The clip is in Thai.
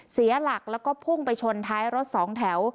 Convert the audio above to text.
เสียหลักแล้วก็พุ่งไปชนท้ายรถสองแถว